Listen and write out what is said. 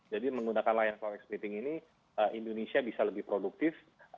jadi menggunakan layanan cloudx meeting ini indonesia bisa lebih produktif